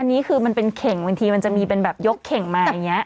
อันนี้คือมันเป็นเข่งบางทีมันจะมีเป็นแบบยกเข่งมาอย่างนี้